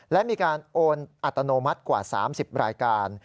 และมีการโอนอัตโนมัติกว่า๓๐รายการ